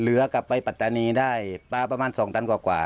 เหลือกลับไปปัตตานีได้ปลาประมาณ๒ตันกว่า